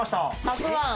たくあん。